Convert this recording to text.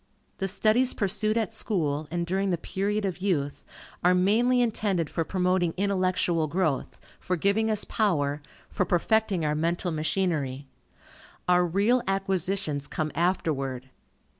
The studies pursued at school, and during the period of youth, are mainly intended for promoting intellectual growth, for giving us power, for perfecting our mental machinery. Our real acquisitions come afterward.